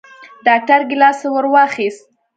ډاکتر ګېلاس ورواخيست.